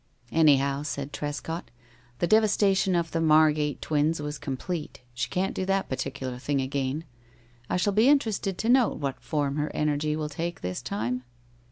"Anyhow," said Trescott, "the devastation of the Margate twins was complete. She can't do that particular thing again. I shall be interested to note what form her energy will take this time."